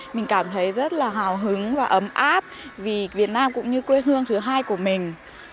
mình cảm thấy rất là hào hứng và ấm áp vì việt nam cũng như quê hương thứ hai của mình